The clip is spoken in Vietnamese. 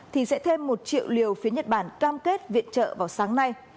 thì sẽ thêm một triệu liều phía nhật bản cam kết viện trợ vào sáng nay